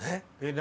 何？